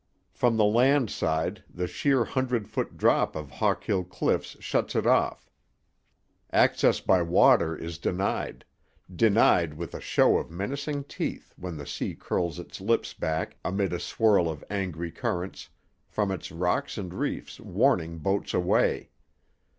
From the land side, the sheer hundred foot drop of Hawkill Cliffs shuts it off. Access by water is denied; denied with a show of menacing teeth, when the sea curls its lips back, amid a swirl of angry currents, from its rocks and reefs, warning boats away.